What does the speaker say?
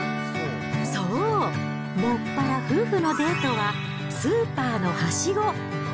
そう、もっぱら夫婦のデートはスーパーのはしご。